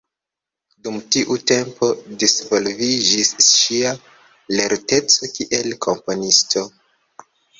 Dum tiu tempo disvolviĝis ŝia lerteco kiel komponisto.